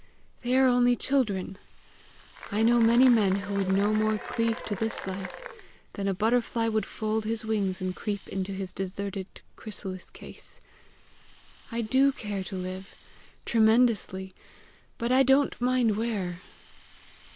They are only children! I know many men who would no more cleave to this life than a butterfly would fold his wings and creep into his deserted chrysalis case. I do care to live tremendously, but I don't mind where.